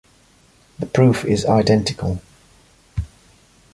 The proof is identical.